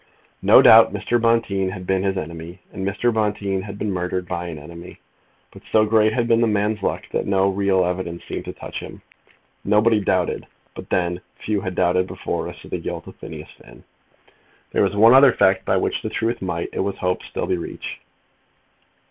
No doubt Mr. Bonteen had been his enemy, and Mr. Bonteen had been murdered by an enemy. But so great had been the man's luck that no real evidence seemed to touch him. Nobody doubted; but then but few had doubted before as to the guilt of Phineas Finn. There was one other fact by which the truth might, it was hoped, still be reached.